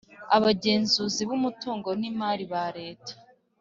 Abagenzuzi b umutungo n imari bal eta